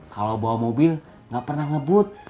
kalau bawa mobil nggak pernah ngebut